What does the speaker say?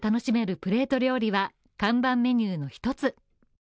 プレート料理は、看板メニューの一つ。